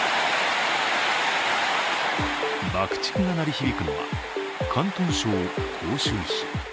爆竹が鳴り響くのは広東省広州市。